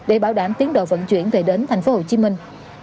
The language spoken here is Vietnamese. để bảo đảm tiến độ vận chuyển về đến thành phố hồ chí minh